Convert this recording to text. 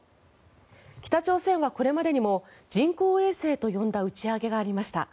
北朝鮮はこれまでにも人工衛星と呼んだ打ち上げがありました。